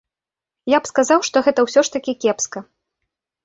Я б сказаў, што гэта ўсё ж такі кепска.